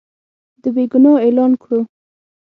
بېګناه اعلان کړو.